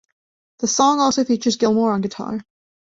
The song also features Gilmour on guitar.